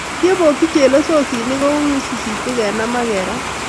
Ye bokchi chelososinik kowisisitu kenam akerat